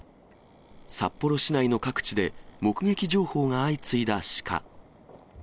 札幌市内の各地で、目撃情報が相次いだシカ。